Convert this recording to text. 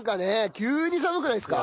急に寒くないですか？